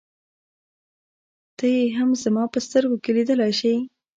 ته يې هم زما په سترګو کې لیدلای شې.